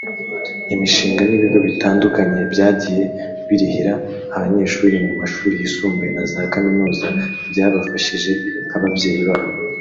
imishinga n’ibigo bitandukanye byagiye birihirira abanyeshuri mu mashuri yisumbuye na za kaminuza byabafashije nk’ababyeyi babo